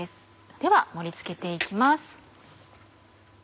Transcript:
では盛り付けて行きます。